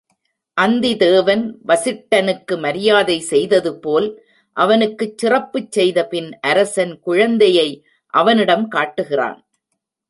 அந்திதேவன் வசிட்டனுக்கு மரியாதை செய்ததுபோல் அவனுக்குச் சிறப்புச் செய்தபின் அரசன் குழந்தையை அவனிடம் காட்டுகிறான்.